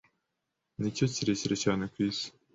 Nicyo kirekire cyane kwisi.